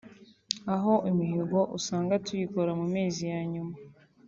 aho imihigo usanga tuyikora mu mezi ya nyuma